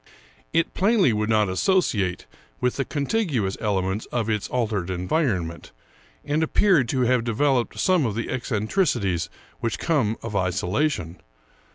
It plainly would not associate with the contiguous elements of its altered environment, and ap peared to have developed some of the eccentricities which come of isolation.